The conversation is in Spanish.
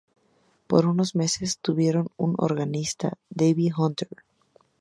Por unos meses tuvieron un organista, Davey Hunter.